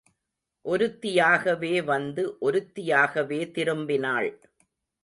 ஒருத்தியாகவே வந்து ஒருத்தியாகவே திரும்பினாள்.